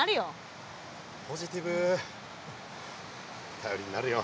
頼りになるよ。